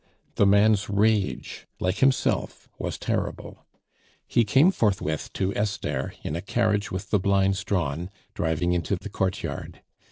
The man's rage, like himself, was terrible; he came forthwith to Esther, in a carriage with the blinds drawn, driving into the courtyard.